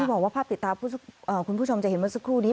บอกว่าภาพติดตาคุณผู้ชมจะเห็นเมื่อสักครู่นี้